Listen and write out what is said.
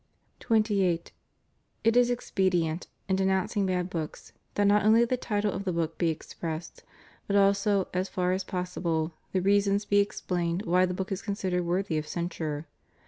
28. It is expedient, in denouncing bad books, that not only the title of the book be expressed, but also, as far as possible, the reasons be explained why the book is con sidered worthy of censure.